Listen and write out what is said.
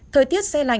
thời tiết xe lạnh